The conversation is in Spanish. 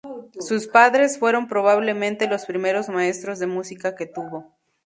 Sus padres fueron probablemente los primeros maestros de música que tuvo.